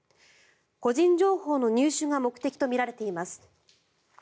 個人情報の入手が目的とみられています。